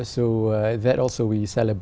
chúng ta cũng kỷ niệm đó